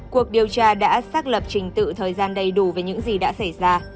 cuộc điều tra đã xác lập trình tự thời gian đầy đủ về những gì đã xảy ra